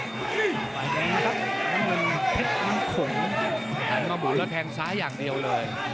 น้ำเงินเผ็ดอันขนแทงมาหมุนแล้วแทงซ้ายอย่างเดียวเลย